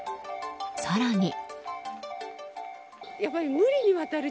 更に。